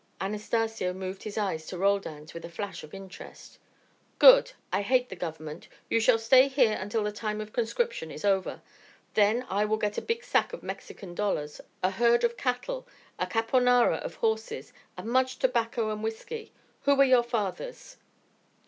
Anastacio moved his eyes to Roldan's with a flash of interest. "Good! I hate the government. You shall stay here until the time of conscription is over. Then I will get a big sack of Mexican dollars, a herd of cattle, a caponara of horses, and much tobacco and whiskey. Who are your fathers?"